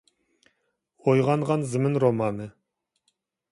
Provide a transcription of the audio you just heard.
«ئويغانغان زېمىن» رومانى